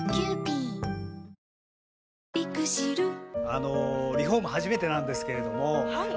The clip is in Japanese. あのリフォーム初めてなんですけれどもはい。